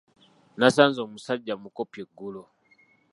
Nasanze omusajja mukopi eggulo!